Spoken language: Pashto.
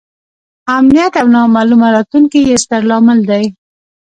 امنیت او نامعلومه راتلونکې یې ستر لامل دی.